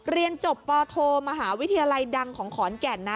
เรียนจบปโทมหาวิทยาลัยดังของขอนแก่นนะ